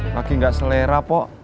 laki gak selera pok